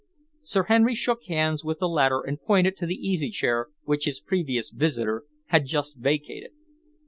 Sir Henry shook hands with the latter and pointed to the easy chair which his previous visitor had just vacated.